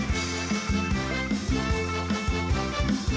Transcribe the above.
โหกันให้แรงไว้ถึงวันตั้งแล้วมาโหอีกที